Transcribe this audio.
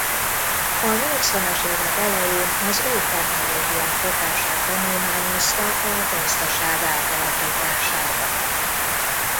A nyolcvanas évek elején az új technológiák hatását tanulmányozta a gazdaság átalakításában.